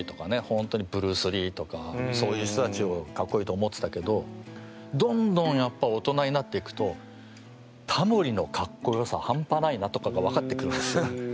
本当にブルース・リーとかそういう人たちをカッコいいと思ってたけどどんどんやっぱ大人になっていくととかが分かってくるんですね。